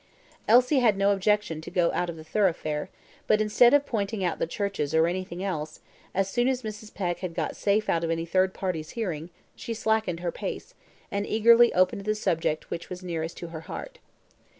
Elsie had no objection to go out of the thoroughfare; but, instead of pointing out the churches or anything else, as soon as Mrs. Peck had got safe out of any third party's hearing, she slackened her pace, and eagerly opened the subject which was nearest to her heart.